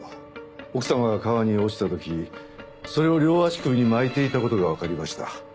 奥様が川に落ちた時それを両足首に巻いていた事がわかりました。